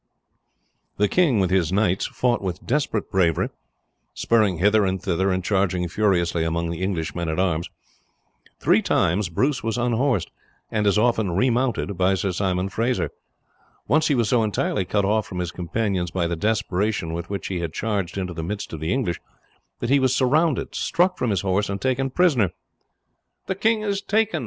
The king with his knights fought with desperate bravery, spurring hither and thither and charging furiously among the English men at arms. Three times Bruce was unhorsed and as often remounted by Sir Simon Fraser. Once he was so entirely cut off from his companions by the desperation with which he had charged into the midst of the English, that he was surrounded, struck from his horse, and taken prisoner. "The king is taken!"